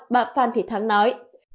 bà phan thị thắng nói